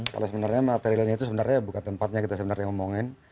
kalau sebenarnya materialnya itu sebenarnya bukan tempatnya kita sebenarnya ngomongin